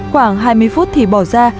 khoảng hai mươi phút thì bỏ ra